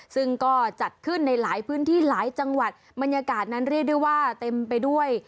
ซึ่งก็จัดขึ้นในหลายพื้นที่หลายจังหวัดบรรยากาศนั้นเรียกได้ว่าเต็มไปด้วย